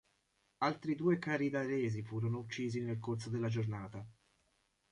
Altri due caridaresi furono uccisi nel corso della giornata.